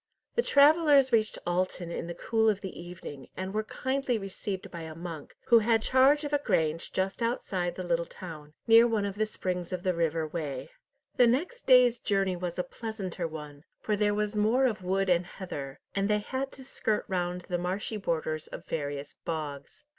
The travellers reached Alton in the cool of the evening, and were kindly received by a monk, who had charge of a grange just outside the little town, near one of the springs of the River Wey. The next day's journey was a pleasanter one, for there was more of wood and heather, and they had to skirt round the marshy borders of various bogs.